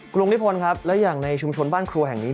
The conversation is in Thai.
ลุงนิพนธ์ครับและอย่างในชุมชนบ้านครัวแห่งนี้